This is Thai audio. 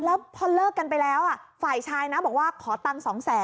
แล้วพอเลิกกันไปแล้วฝ่ายชายนะบอกว่าขอตังค์๒๐๐๐